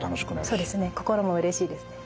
そうですね心もうれしいですね。